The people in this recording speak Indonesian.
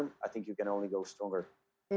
tapi saya pikir dalam keadaan lama